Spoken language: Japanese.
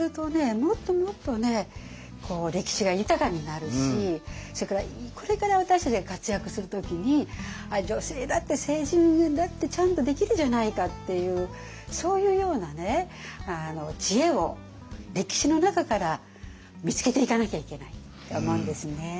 もっともっとね歴史が豊かになるしそれからこれから私たちが活躍する時に女性だって政治だってちゃんとできるじゃないかっていうそういうような知恵を歴史の中から見つけていかなきゃいけないと思うんですね。